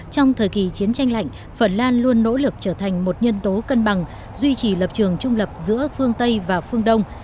trong thời kỳ chiến tranh lạnh phần lan luôn nỗ lực trở thành một nhân tố cân bằng duy trì lập trường trung lập giữa phương tây và phương đông